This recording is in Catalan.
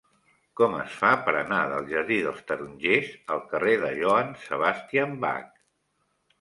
Com es fa per anar del jardí dels Tarongers al carrer de Johann Sebastian Bach?